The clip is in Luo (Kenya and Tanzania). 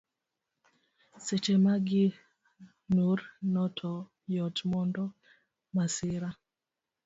Seche ma gi nur no to yot mondo masira